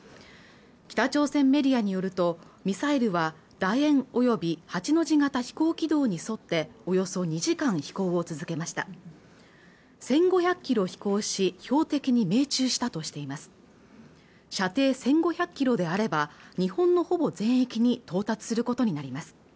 北朝鮮メディアによるとミサイルは楕円および８の字型飛行軌道に沿っておよそ２時間飛行を続けました１５００キロ飛行し標的に命中したとしています射程１５００キロであれば日本のほぼ全域に到達することになります